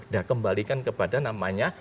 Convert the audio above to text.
dan kembalikan kepada namanya